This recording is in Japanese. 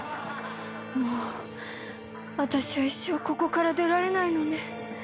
もう私は一生ここから出られないのね。